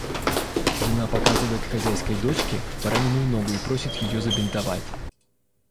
Жена показывает хозяйской дочке пораненную ногу и просит её забинтовать.